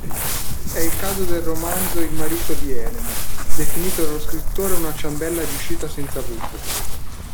È il caso del romanzo Il marito di Elena, definito dallo scrittore una ciambella riuscita senza buco.